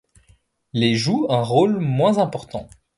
Les jouent un rôle moins important.